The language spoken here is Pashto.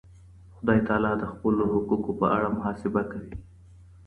خدای تعالی د خپلو حقونو په اړه محاسبه کوي.